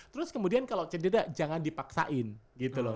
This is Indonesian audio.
terus kemudian kalau cedera jangan dipaksain gitu loh